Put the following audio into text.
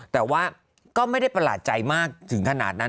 แต่ว่าก็ไม่ได้ประหลาดใจมากถึงขนาดนั้น